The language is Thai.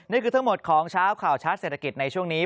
นี่คือทั้งหมดของเช้าข่าวชัดเศรษฐกิจในช่วงนี้